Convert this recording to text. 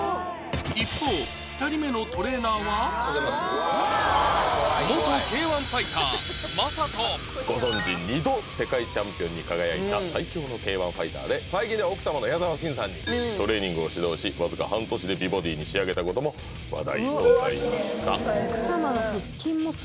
一方おはようございますご存じ２度世界チャンピオンに輝いた最強のＫ−１ファイターで最近では奥様の矢沢心さんにトレーニングを指導しわずか半年で美ボディに仕上げたことも話題となりました